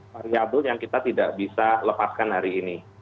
variabel yang kita tidak bisa lepaskan hari ini